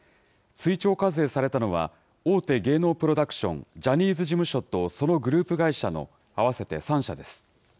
追徴課税されたのは、大手芸能プロダクション、ジャニーズ事務所とそのグループ会社の合わせて３社です。